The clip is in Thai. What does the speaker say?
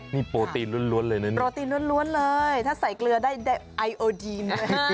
นี่โปรตีนล้วนเลยนะเนี่ยโปรตีนล้วนเลยถ้าใส่เกลือได้ไอโอทีน